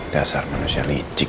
dasar manusia licik